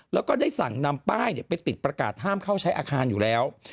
แล้วก็ได้สั่งนำป้ายไปติดประกาศห้ามเข้าใช้อาคารอยู่แล้ว